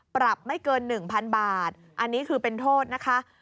ปรับไม่เกิน๑๐๐๐บาทอันนี้คือเป็นโทษนะคะ